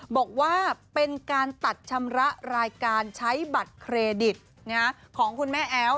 บอกว่าเป็นการตัดชำระรายการใช้บัตรเครดิตของคุณแม่แอ๋ว